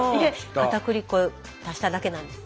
かたくり粉足しただけなんです。